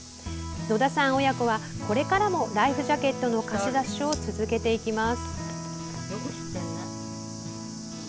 野田さん親子は、これからもライフジャケットの貸し出しを続けていきます。